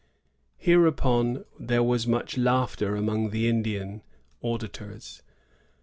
Hereupon there was much laughter among the Indian auditors.